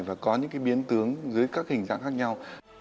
và có những biến tướng dưới các hình dạng khác nhau